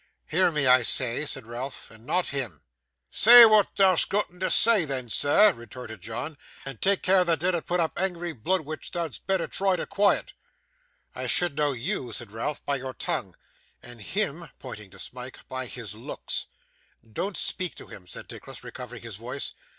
'Hear me, I say,' said Ralph, 'and not him.' 'Say what thou'st gotten to say then, sir,' retorted John; 'and tak' care thou dinnot put up angry bluid which thou'dst betther try to quiet.' 'I should know YOU,' said Ralph, 'by your tongue; and HIM' (pointing to Smike) 'by his looks.' 'Don't speak to him,' said Nicholas, recovering his voice.